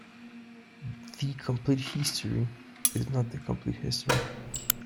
"The Complete History" is not the complete history.